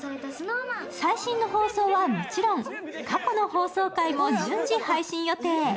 最新の放送はもちろん、過去の放送回も順次配信予定。